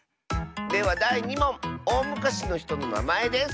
ではだい２もんおおむかしのひとのなまえです。